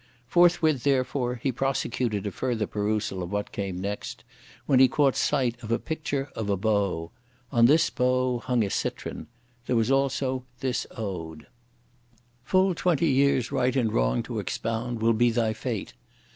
Forthwith, therefore, he prosecuted a further perusal of what came next, when he caught sight of a picture of a bow. On this bow hung a citron. There was also this ode: Full twenty years right and wrong to expound will be thy fate!